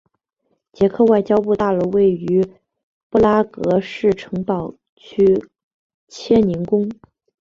捷克外交部大楼位于布拉格市城堡区切宁宫。